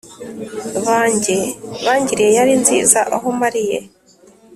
banjye bangiriye yari nziza aho mariye